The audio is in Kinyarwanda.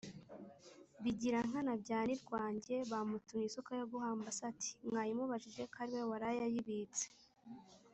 Bigirankana bya Nirwange bamutumye isuka yo guhamba se, ati "mwayimubajije ko ari we waraye ayibitse".